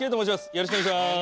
よろしくお願いします。